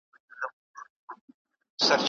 ګلان باید د لمر له تېزو وړانګو څخه وساتل شي.